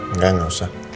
enggak gak usah